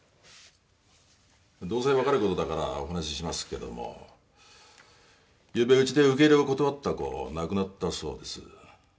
どうせ分かることだからお話ししますけど昨夜ウチで受け入れを断った子亡くなったそうです